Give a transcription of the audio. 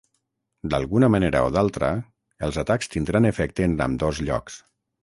D'alguna manera o d'altra els atacs tindran efecte en ambdós llocs.